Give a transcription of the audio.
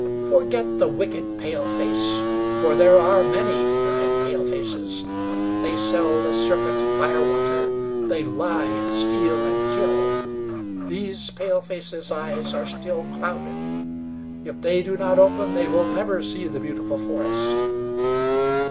Forget the wicked paleface; for there are many wicked palefaces. They sell the serpent firewater; they lie and steal and kill. These palefaces' eyes are still clouded. If they do not open they will never see the beautiful forest.